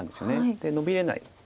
でノビれない。